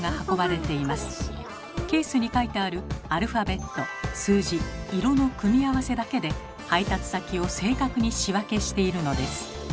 ケースに書いてあるアルファベット数字色の組み合わせだけで配達先を正確に仕分けしているのです。